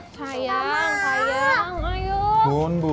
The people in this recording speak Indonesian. pembeli es gawat